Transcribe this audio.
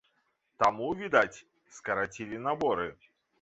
Таму, відаць, скарацілі наборы.